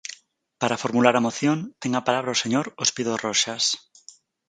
Para formular a moción, ten a palabra o señor Ospido Roxas.